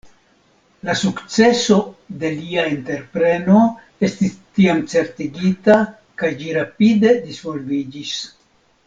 La sukceso de lia entrepreno estis tiam certigita kaj ĝi rapide disvolviĝis.